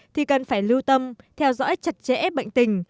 thì cần phải lưu tâm theo dõi chặt chẽ bệnh tình